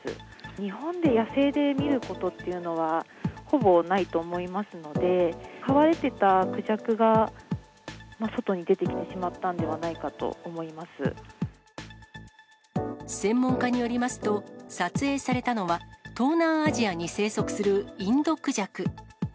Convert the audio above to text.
日本で野生で見ることっていうのは、ほぼないと思いますので、飼われてたクジャクが外に出てきてしまったんではないかと思いま専門家によりますと、撮影されたのは東南アジアに生息するインドクジャク。